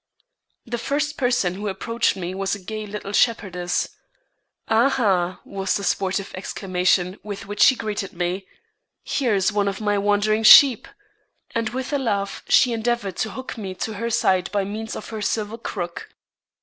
The first person who approached me was a gay little shepherdess. "Ah, ha!" was the sportive exclamation with which she greeted me. "Here is one of my wandering sheep!" And with a laugh, she endeavored to hook me to her side by means of her silver crook.